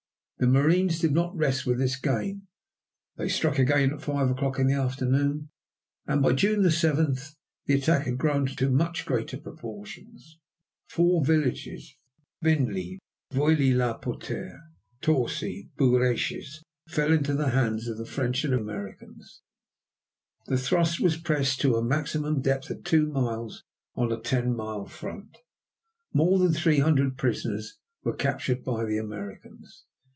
The marines did not rest with this gain. They struck again at five o'clock in the afternoon, and by June 7 the attack had grown to much greater proportions. Four villages, Vinly, Veuilly la Poterie, Torcy, and Bouresches, fell into the hands of the French and Americans. The thrust was pressed to a maximum depth of two miles on a ten mile front. More than 300 prisoners were captured by the Americans.